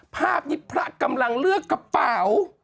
ภาพนี้พระกำลังเลือกกระเป๋า